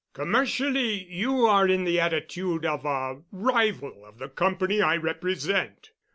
Commercially you are in the attitude of a rival of the company I represent.